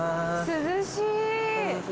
涼しい。